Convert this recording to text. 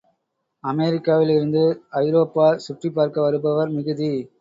அமெரிக்காவில் இருந்து ஐரோப்பா சுற்றிப் பார்க்க வருபவர் மிகுதி.